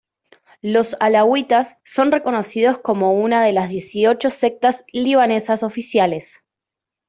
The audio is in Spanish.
Los alauitas son reconocidos como una de las dieciocho sectas libanesas oficiales.